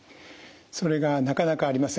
それがなかなかありません。